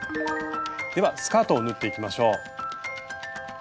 ではスカートを縫っていきましょう。